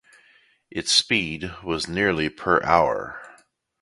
Its speed was nearly per hour.